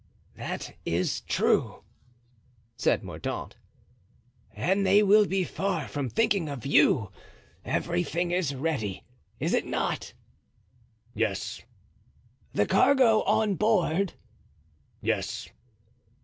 "That is true," said Mordaunt, "and they will be far from thinking of you. Everything is ready, is it not?" "Yes." "The cargo on board?" "Yes."